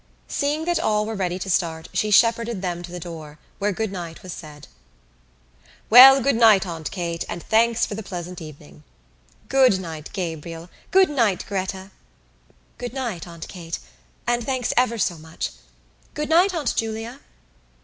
Seeing that all were ready to start she shepherded them to the door, where good night was said: "Well, good night, Aunt Kate, and thanks for the pleasant evening." "Good night, Gabriel. Good night, Gretta!" "Good night, Aunt Kate, and thanks ever so much. Good night, Aunt Julia."